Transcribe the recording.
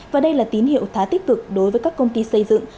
và đây là tín hiệu khá tích cực đối với các công ty xây dựng